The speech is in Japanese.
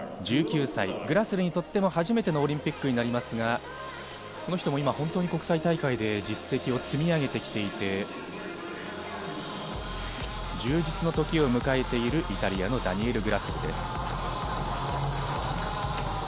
１９歳、グラスルにとっても初めてのオリンピックとなりますが、この人も今、国際大会で実績を積み上げてきていて、充実の時を迎えているイタリアのダニエル・グラスルです。